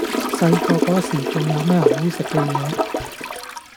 細個嗰時仲有咩好食嘅野？